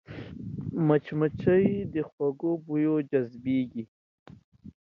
مچمچۍ د خوږو بویو جذبېږي